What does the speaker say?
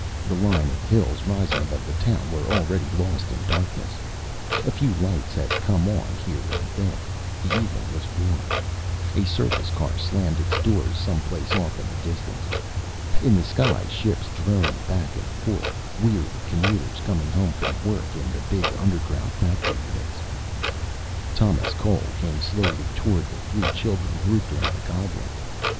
The line of hills rising above the town were already lost in darkness. A few lights had come on here and there. The evening was warm. A surface car slammed its doors, some place off in the distance. In the sky ships droned back and forth, weary commuters coming home from work in the big underground factory units. Thomas Cole came slowly toward the three children grouped around the guide light.